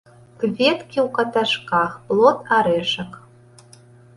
Кветкі ў каташках, плод арэшак.